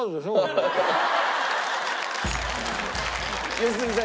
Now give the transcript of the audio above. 良純さん